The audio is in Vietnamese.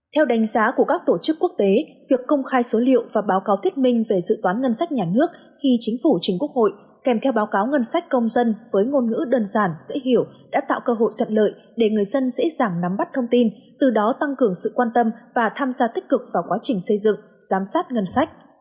theo đánh giá của các tổ chức quốc tế việc công khai số liệu và báo cáo thuyết minh về dự toán ngân sách nhà nước khi chính phủ chính quốc hội kèm theo báo cáo ngân sách công dân với ngôn ngữ đơn giản dễ hiểu đã tạo cơ hội thuận lợi để người dân dễ dàng nắm bắt thông tin từ đó tăng cường sự quan tâm và tham gia tích cực vào quá trình xây dựng giám sát ngân sách